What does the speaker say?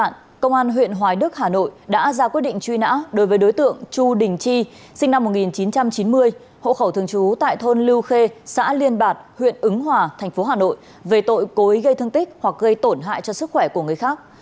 nguyễn lưu khê xã liên bạc huyện ứng hòa thành phố hà nội về tội cối gây thương tích hoặc gây tổn hại cho sức khỏe của người khác